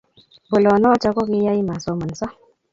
Bolo notok kokiyay masomonso